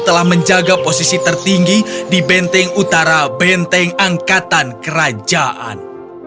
telah menjaga posisi tertinggi di benteng utara benteng angkatan kerajaan